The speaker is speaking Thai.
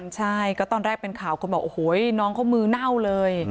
ใช่ก็ตอนแรกเป็นข่าวคนบอกโอ้โหน้องเขามือเน่าเลย